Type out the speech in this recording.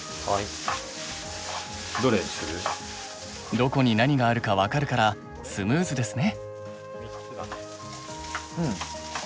どこに何があるか分かるからスムーズですね。